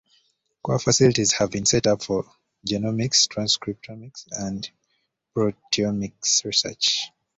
Core facilities have been set up for genomics, transcriptomics and proteomics research.